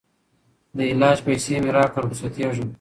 د علاج پیسې مي راکړه رخصتېږم